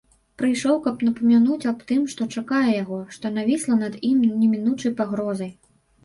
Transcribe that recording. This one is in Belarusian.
Прыйшоў, каб напамянуць аб тым, што чакае яго, што навісла над ім немінучай пагрозай.